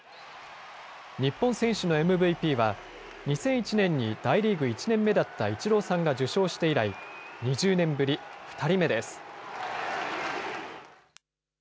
日本選手のＭＶＰは２００４年に大リーグ１年目だったイチローさんが受賞して以来２０年ぶり、２人目です。